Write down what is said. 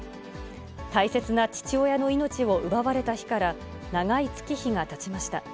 大切な父親の命を奪われた日から、長い月日がたちました。